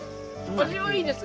味はいいですね。